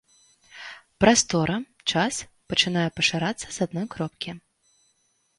Прастора-час пачынае пашырацца з адной кропкі.